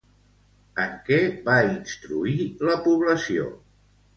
En què va instruir la població?